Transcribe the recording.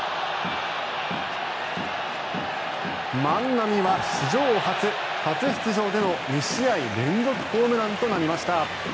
万波は史上初、初出場での２試合連続ホームランとなりました。